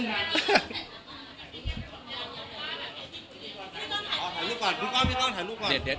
อ่อถ่ายลูกก่อนดูกล้อหลอกหน่ายลูกก่อน